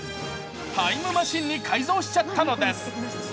タイムマシンに改造しちゃったのです。